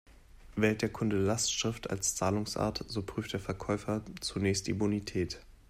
Wählt der Kunde Lastschrift als Zahlungsart, so prüft der Verkäufer zunächst die Bonität.